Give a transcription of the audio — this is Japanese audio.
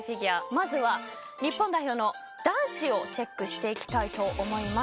まずは日本代表の男子をチェックしていきたいと思います。